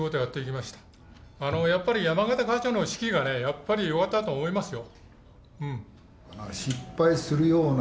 やっぱり山方課長の指揮がねやっぱり良かったと思いますよ。